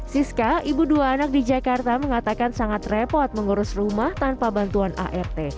siska ibu dua anak di jakarta mengatakan sangat repot mengurus rumah tanpa bantuan art